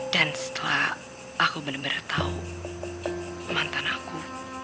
dan setelah aku bener bener tau mantan aku